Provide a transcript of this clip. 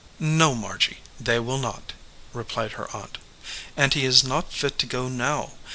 "No, Margy, they will not," replied her aunt. "And he is not fit to go now.